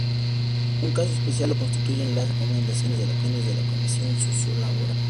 Un caso especial lo constituyen las recomendaciones de la Comisión Sociolaboral.